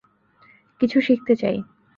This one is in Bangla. কিছু শিখতে চাই।